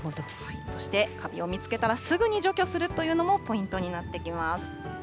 そして、カビを見つけたら、すぐに除去するというのもポイントになってきます。